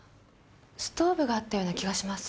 ストーブがあったような気がします。